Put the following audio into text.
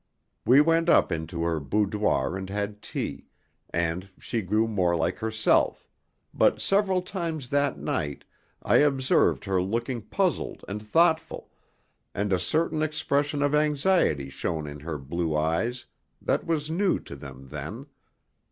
We went up into her boudoir and had tea, and she grew more like herself; but several times that night I observed her looking puzzled and thoughtful, and a certain expression of anxiety shone in her blue eyes that was new to them then.